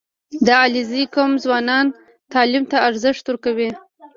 • د علیزي قوم ځوانان تعلیم ته ارزښت ورکوي.